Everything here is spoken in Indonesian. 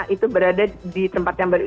itu berada di tempat yang baru